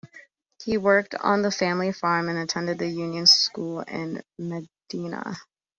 He worked on the family farm and attended the union school in Medina.